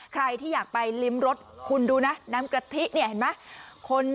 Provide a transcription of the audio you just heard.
ใครที่อยากไปริมรสคุณดูนะน้ำกะทิเนี่ยเห็นไหม